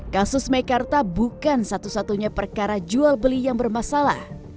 kasus mekarta bukan satu satunya perkara jual beli yang bermasalah